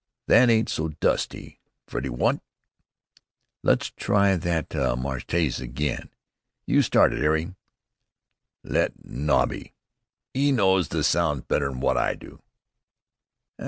That ain't so dusty, Freddie, wot?" "Let's try that Marcelase again. You start it, 'Arry." "Let Nobby. 'E knows the sounds better'n wot I do."